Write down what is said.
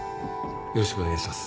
よろしくお願いします